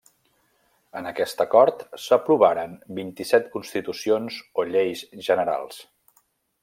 En aquesta cort s'aprovaren vint-i-set constitucions o lleis generals.